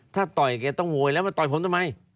ถ้าต่อยแกต้องโวยแล้วมาต่อยผมทำไม